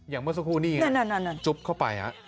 เมื่อสักครู่นี่จุ๊บเข้าไป